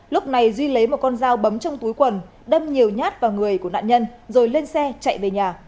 lúc này duy lấy một con dao bấm trong túi quần đâm nhiều nhát vào người của nạn nhân rồi lên xe chạy về nhà